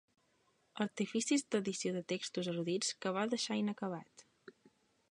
Artificis d'addició textos erudits que va deixar inacabat.